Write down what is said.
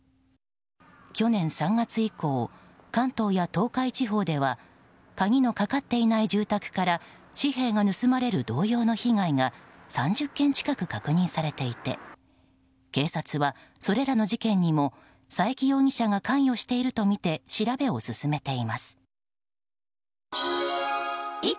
去年３月以降関東や東海地方では鍵のかかっていない住宅から紙幣が盗まれる同様の被害が３０件近く確認されていて警察は、それらの事件にも佐伯容疑者が関与しているとみて調べを進めています。